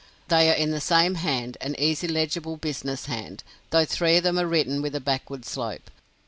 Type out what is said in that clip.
They are in the same hand, an easy legible business hand, though three of them are written with a backward slope.